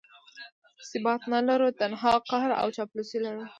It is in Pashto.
ثبات نه لرو، تنها قهر او چاپلوسي لرو.